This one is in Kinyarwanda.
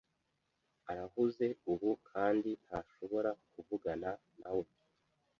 Arahuze ubu kandi ntashobora kuvugana nawe.